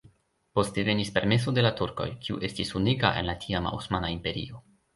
Poste venis permeso de la turkoj, kiu estis unika en la tiama Osmana Imperio.